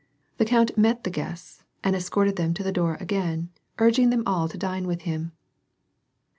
The count met the guests, and escorted them to the door again, urging them all to dine with him.